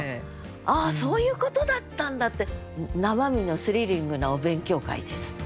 「ああそういうことだったんだ」って生身のスリリングなお勉強会です。